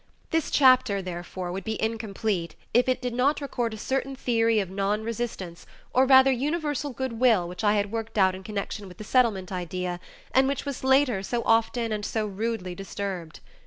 This chapter, therefore, would be incomplete if it did not record a certain theory of nonresistance or rather universal good will which I had worked out in connection with the Settlement idea and which was later so often and so rudely disturbed.